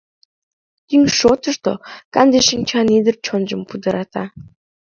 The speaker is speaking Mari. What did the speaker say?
Тӱҥ шотышто канде шинчан ӱдыр чонжым пудырата.